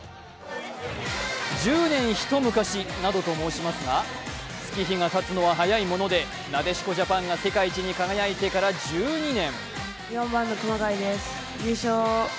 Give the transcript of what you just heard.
十年ひと昔などと申しますが、月日がたつのは早いもので、なでしこジャパンが世界一に輝いてから１２年。